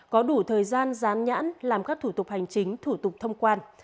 có đủ thời gian rán nhãn làm các thủ tục hành chính thủ tục thông quan